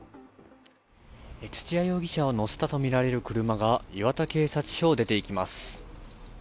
土屋容疑者を乗せたとみられる車が磐田警察署を出て行きます。